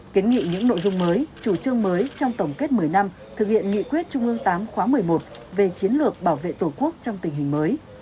kiến nghị những nội dung mới chủ trương mới trong tổng kết một mươi năm thực hiện nghị quyết trung ương tám khóa một mươi một về chiến lược bảo vệ tổ quốc trong tình hình mới